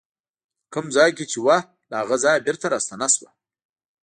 په کوم ځای کې چې وه له هغه ځایه بېرته راستنه شوه.